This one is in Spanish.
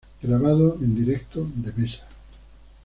Grabado en directo de mesa.